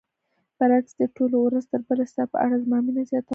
برعکس دې ټولو ورځ تر بلې ستا په اړه زما مینه زیاتوله.